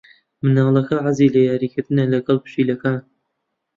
منداڵەکە حەزی لە یاریکردنە لەگەڵ پشیلەکان.